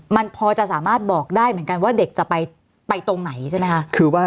มันพอจะสามารถบอกได้เหมือนกันว่าเด็กจะไปตรงไหนใช่ไหมคะ